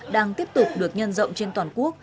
đang tiếp tục được nhân rộng trên toàn quốc